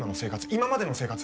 今までの生活。